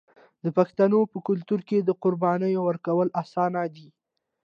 د پښتنو په کلتور کې د قربانۍ ورکول اسانه دي.